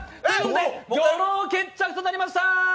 ドロー決着となりました。